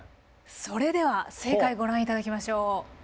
それでは正解ご覧いただきましょう。